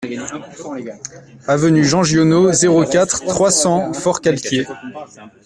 Avenue Jean Giono, zéro quatre, trois cents Forcalquier